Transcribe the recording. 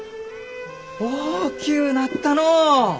大きゅうなったのう！